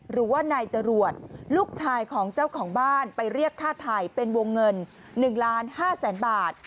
หรือว่านายจรวดลูกชายของเจ้าของบ้านไปเรียกค่าไทยเป็นวงเงิน๑ล้าน๕แสนบาท